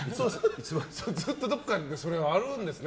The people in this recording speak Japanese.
ずっとどこかでそれは、あるんですね。